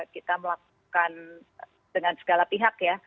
kita melakukan dengan segala pihak ya